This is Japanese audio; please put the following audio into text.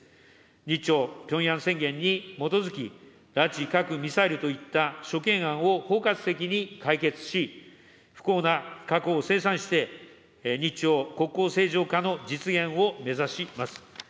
日朝ピョンヤン宣言に基づき、拉致・核・ミサイルといった諸懸案を包括的に解決し、不幸な過去を清算して、日朝国交正常化の実現を目指します。